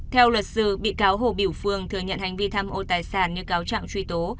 theo luật sư bị cáo hồ biểu phương thừa nhận hành vi tham ô tài sản như cáo trạng truy tố